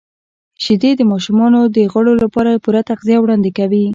•شیدې د ماشومانو د غړو لپاره پوره تغذیه وړاندې کوي.